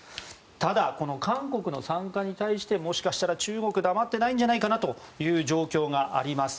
ただ、韓国の参加に対してもしかしたら中国が黙ってないんじゃないかなという状況があります。